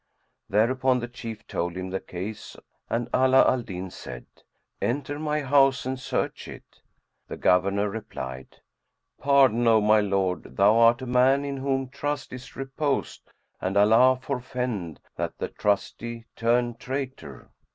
Thereupon the Chief told him the case and Ala al Din said, "Enter my house and search it." The Governor replied, "Pardon, O my lord; thou art a man in whom trust is reposed and Allah forfend that the trusty turn traitor!"